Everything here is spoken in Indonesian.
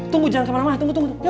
tunggu jangan kemana mana tunggu tunggu